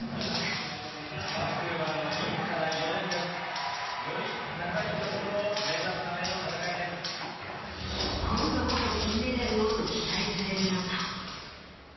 ・バンクーバーの銀から４年です・・より高いところを目指すための戦いです・今度こそ金メダルをと期待される中。